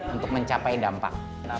untuk mencapai dampak